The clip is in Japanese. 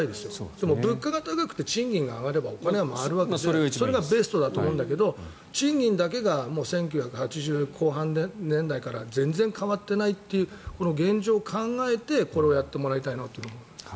でも物価が高くても賃金が上がればお金は回るわけでそれがベストだと思うんだけど賃金だけが１９８０年代後半から全然変わっていないというこの現状を考えてこれをやってもらいたいなと思う。